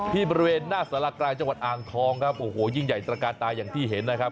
บริเวณหน้าสารกลางจังหวัดอ่างทองครับโอ้โหยิ่งใหญ่ตระการตาอย่างที่เห็นนะครับ